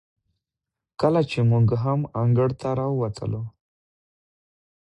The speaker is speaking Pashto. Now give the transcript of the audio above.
کله چې موږ هم انګړ ته راووتلو،